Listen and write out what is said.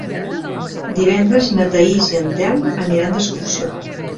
Divendres na Thaís i en Telm aniran d'excursió.